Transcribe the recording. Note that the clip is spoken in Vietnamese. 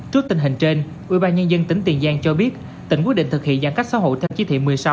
trước tình hình trên ubnd tỉnh tiền giang cho biết tỉnh quyết định thực hiện giãn cách xã hội theo chí thị một mươi sáu